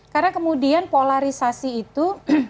karena kemudian polarisasi itu